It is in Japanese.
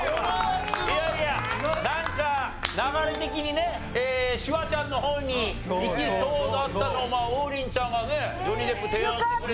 いやいやなんか流れ的にねシュワちゃんの方にいきそうだったのを王林ちゃんがねジョニー・デップ提案してくれて。